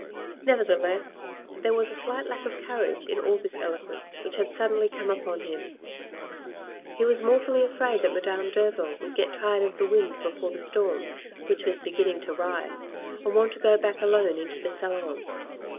Nevertheless, there was a slight lack of courage in all this eloquence which had suddenly come upon him. He was mortally afraid that Madame Derville would get tired of the wind before the storm, which was beginning to rise, and want to go back alone into the salon.